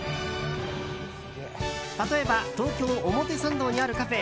例えば東京・表参道にあるカフェ